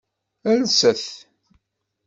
Lset.